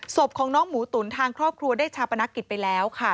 ศพของน้องหมูตุ๋นทางครอบครัวได้ชาปนกิจไปแล้วค่ะ